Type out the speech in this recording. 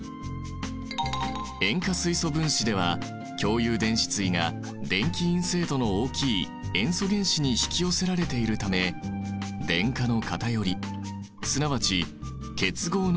塩化水素分子では共有電子対が電気陰性度の大きい塩素原子に引き寄せられているため電荷の偏りすなわち結合の極性が生じている。